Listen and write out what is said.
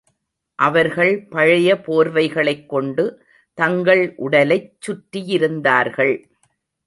அவர்கள் பழைய போர்வைகளைக் கொண்டு தங்கள் உடலைச் சுற்றியிருந்தார்கள்.